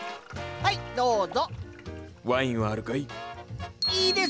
はいどうぞ！